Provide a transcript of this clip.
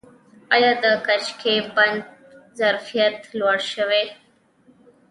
آیا د کجکي بند ظرفیت لوړ شوی دی؟